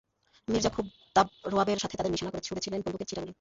মির্জা খুব দাব রোয়াবের সাথে তাদের নিশানা করে ছুড়েছিলেন বন্দুকের ছিটা গুলি।